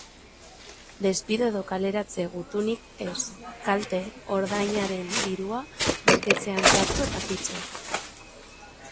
Despido edo kaleratze gutunik ez, kalte-ordainaren dirua banketxean sartu eta kitto.